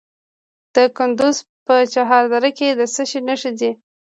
د کندز په چهار دره کې د څه شي نښې دي؟